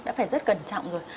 đã phải rất cẩn trọng rồi